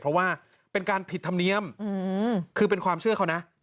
เพราะว่าเป็นการผิดธรรมเนียมคือเป็นความเชื่อเขานะ